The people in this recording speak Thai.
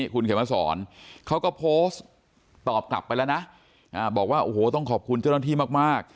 คุณเขียนมาสอนเขาก็โพสต์ตอบกลับไปแล้วนะบอกว่าโอ้โหต้องขอบคุณเจ้าหน้าที่มาก